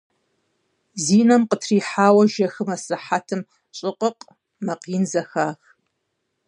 Зи нэм къытрихьауэ жэхэм асыхьэтым «щӀы-къыкъ!..» макъ ин зэхах.